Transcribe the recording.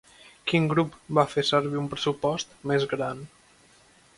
Quin grup va fer servir un pressupost més gran?